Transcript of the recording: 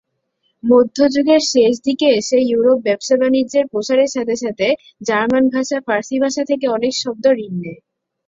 মধ্যযুগের শেষ দিকে এসে ইউরোপে ব্যবসা-বাণিজ্যের প্রসারের সাথে সাথে জার্মান ভাষা ফরাসি ভাষা থেকে অনেক শব্দ ঋণ নেয়।